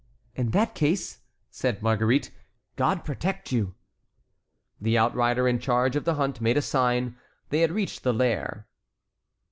"In that case," said Marguerite, "God protect you!" The outrider in charge of the hunt made a sign. They had reached the lair.